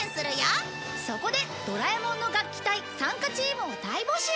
そこでドラえもんの楽器隊参加チームを大募集！